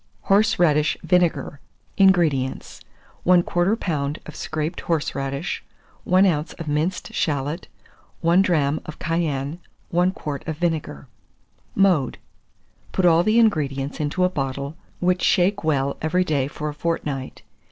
HORSERADISH VINEGAR. 448. INGREDIENTS. 1/4 lb. of scraped horseradish, 1 oz. of minced shalot, 1 drachm of cayenne, 1 quart of vinegar. Mode. Put all the ingredients into a bottle, which shake well every day for a fortnight.